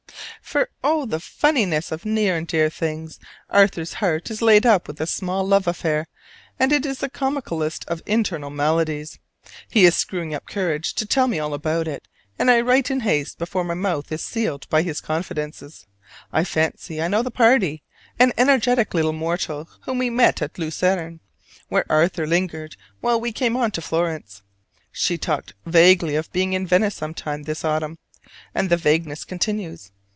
For, oh, the funniness of near and dear things! Arthur's heart is laid up with a small love affair, and it is the comicalest of internal maladies. He is screwing up courage to tell me all about it, and I write in haste before my mouth is sealed by his confidences. I fancy I know the party, an energetic little mortal whom we met at Lucerne, where Arthur lingered while we came on to Florence. She talked vaguely of being in Venice some time this autumn; and the vagueness continues.